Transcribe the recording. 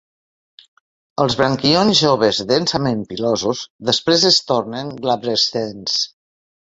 Els branquillons joves densament pilosos, després es tornen glabrescents.